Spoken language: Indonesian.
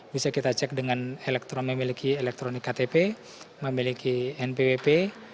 bisa kita cek dengan elektronik ktp memiliki npwp